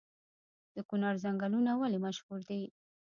د کونړ ځنګلونه ولې مشهور دي؟